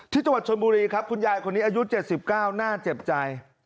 ที่จังหวัดชนบุรีครับคุณยายคนนี้อายุ๗๙น่าเจ็บใจ